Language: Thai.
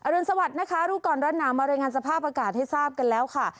รุนสวัสดิ์นะคะรู้ก่อนร้อนหนาวมารายงานสภาพอากาศให้ทราบกันแล้วค่ะ